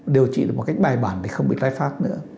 điều trị được một cách bài bản để không bị tái phát nữa